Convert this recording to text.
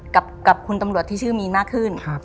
กับคุณตำรวจที่ชื่อมีนมากขึ้น